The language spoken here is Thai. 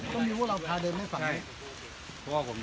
สวัสดีครับทุกคน